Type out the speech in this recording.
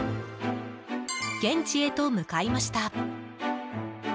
現地へと向かいました。